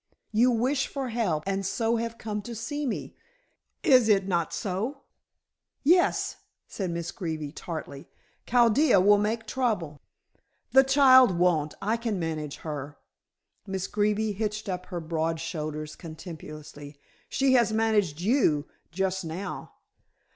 "You wish for help and so have come to see me? Is it not so?" "Yes," said Miss Greeby tartly. "Chaldea will make trouble." "The child won't. I can manage her." Miss Greeby hitched up her broad shoulders contemptuously. "She has managed you just now."